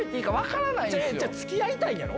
付き合いたいんやろ？